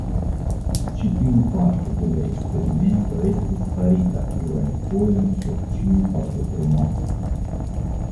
Ĉi tiu parto de la eksperimento estis farita plurajn fojojn sur ĉiu partoprenanto.